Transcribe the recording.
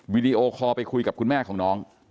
วิดีโอคอลไปคุยกับคุณแม่ของน้อง